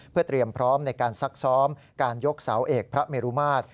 เพื่อเตรียมพร้อมในการซักซ้อมการยกเสาเอกพระเมรุมาตร